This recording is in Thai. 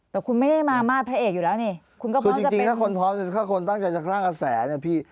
แต่ว่าคุณไม่ได้มามาแผ่ไออยู่แล้วไหมเนี่ย